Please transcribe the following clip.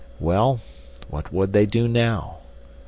Well, what would they do now?